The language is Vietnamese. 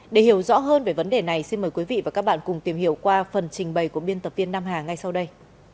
để hiểu rõ hơn về vấn đề này xin mời quý vị và các bạn cùng tìm hiểu qua phần trình bày của biên tập viên nam hà ngay sau đây